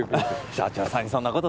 社長さんにそんなこと